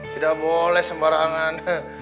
tidak boleh sembarangan